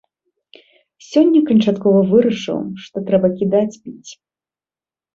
Сёння канчаткова вырашыў, што трэба кідаць піць.